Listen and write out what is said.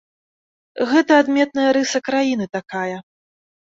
Гэта адметная рыса краіны такая.